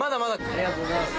ありがとうございます。